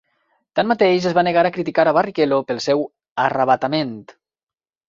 Tanmateix, es va negar a criticar a Barrichello pel seu arravatament.